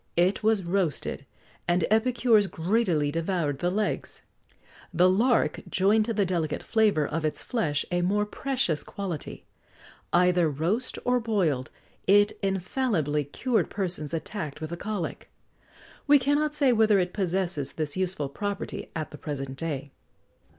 It was roasted, and epicures greedily devoured the legs.[XX 94] The Lark joined to the delicate flavour of its flesh a more precious quality; either roast or boiled, it infallibly cured persons attacked with the colic.[XX 95] We cannot say whether it possesses this useful property at the present day.